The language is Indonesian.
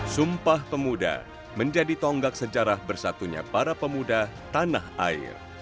sumpah pemuda menjadi tonggak sejarah bersatunya para pemuda tanah air